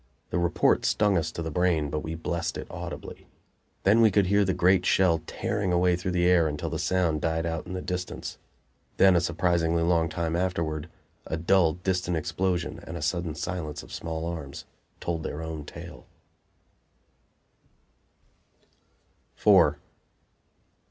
The report stung us to the brain, but we blessed it audibly. Then we could hear the great shell tearing away through the air until the sound died out in the distance; then, a surprisingly long time afterward, a dull, distant explosion and a sudden silence of small arms told their own tale.